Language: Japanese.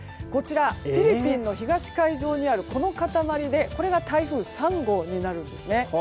フィリピンの東海上にある塊でこれが台風３号になるんですね。